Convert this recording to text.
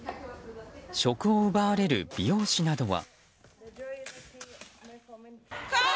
職を奪われる美容師などは。